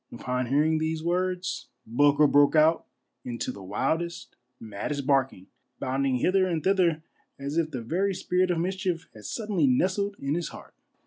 Upon hearing these words, Bulger broke out into the wildest, maddest barking, bounding hither and thither as if the very spirit of mischief had suddenly nestled in his heart.